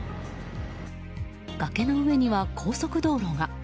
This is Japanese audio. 崖の上には高速道路が。